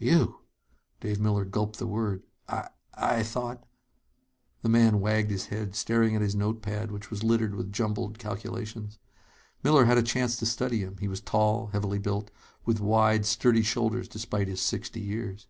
"You!" Dave Miller gulped the word. "I I thought " The man wagged his head, staring at his note pad, which was littered with jumbled calculations. Miller had a chance to study him. He was tall, heavily built, with wide, sturdy shoulders despite his sixty years.